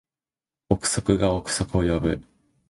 憶測が憶測を呼ぶ